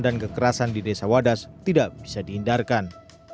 dan kekerasan di desa wadas tidak bisa dihindarkan